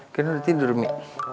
kan udah tidur mi